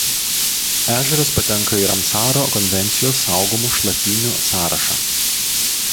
Ežeras patenka į Ramsaro konvencijos saugomų šlapynių sąrašą.